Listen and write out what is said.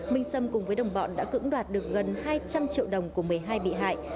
minh sâm cùng với đồng bọn đã cưỡng đoạt được gần hai trăm linh triệu đồng của một mươi hai bị hại